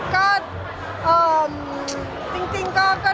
เค้าขอบพี่แฟนแล้วก็คือ